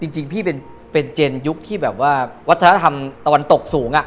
จริงพี่เป็นเจนยุคที่แบบว่าวัฒนธรรมตะวันตกสูง